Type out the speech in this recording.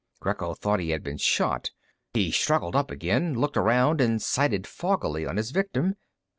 Greco thought he had been shot. He struggled up again, looked around, and sighted foggily on his victim.